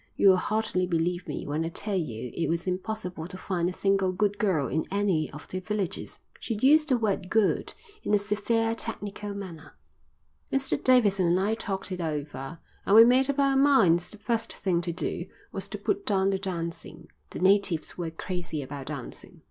You'll hardly believe me when I tell you it was impossible to find a single good girl in any of the villages." She used the word good in a severely technical manner. "Mr Davidson and I talked it over, and we made up our minds the first thing to do was to put down the dancing. The natives were crazy about dancing."